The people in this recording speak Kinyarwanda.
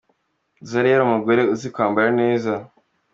Zari yari umugore uzi kwambara neza.